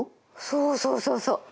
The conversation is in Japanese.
そうそうそうそう。